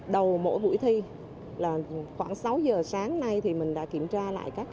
đầu mỗi buổi thi khoảng sáu giờ sáng nay mình đã kiểm tra lại các bàn